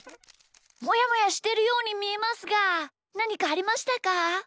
もやもやしてるようにみえますがなにかありましたか？